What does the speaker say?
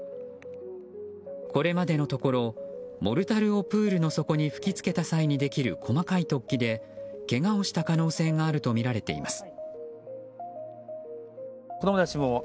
これまでのところモルタルをプールの底に吹き付けた際にできる細かい突起でけがをした可能性があるとみられています。